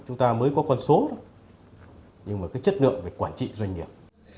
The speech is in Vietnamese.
chúng ta mới có con số nhưng chất lượng phải quản trị doanh nghiệp